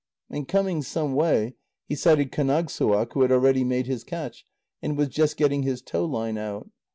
And coming some way, he sighted Kánagssuaq, who had already made his catch, and was just getting his tow line out.